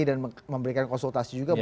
dan memberikan konsultasi juga